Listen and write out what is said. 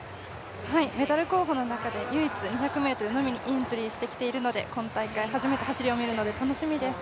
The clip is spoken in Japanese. メダル候補の中で唯一２００ｍにのみエントリーしてきているので今大会初めて走りを見るので、楽しみです。